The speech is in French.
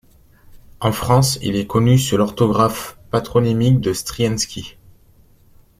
En France, il est connu sous l'orthographe patronymique de Stryienski.